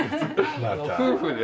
夫婦で。